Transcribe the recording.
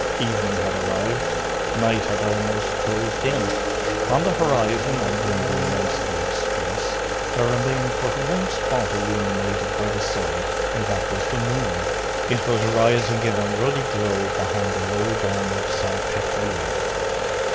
Evening had arrived, night had almost closed in; on the horizon and in the immensity of space, there remained but one spot illuminated by the sun, and that was the moon. It was rising in a ruddy glow behind the low dome of Salpêtrière.